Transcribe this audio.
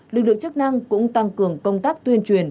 lực lượng chức năng cũng tăng cường công tác tuyên truyền